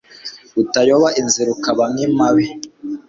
utayoba inzira ukaba nk'impabe